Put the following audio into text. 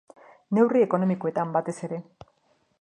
Neurri ekonomikoetan batez ere.